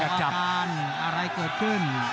อาการอะไรเกิดขึ้น